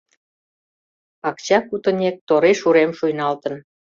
Пакча кутынек тореш урем шуйналтын.